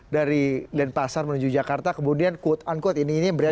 dari lian pasar menuju jakarta kemudian quote unquote ini ini yang berada